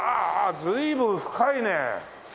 随分深いね！